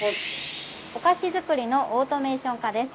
お菓子作りのオートメーション化です。